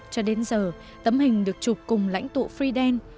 cho đến giờ tấm hình được chụp cùng lãnh tụ fidel